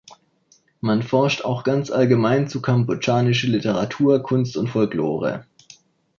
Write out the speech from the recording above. Man forscht auch ganz allgemein zu kambodschanische Literatur, Kunst und Folklore.